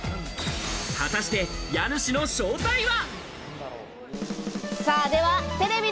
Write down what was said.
果たして家主の正体は？